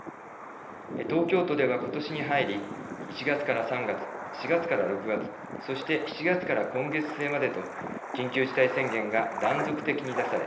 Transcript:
東京都では、ことしに入り１月から３月、４月から６月そして、７月から今月末までと緊急事態宣言が断続的に出され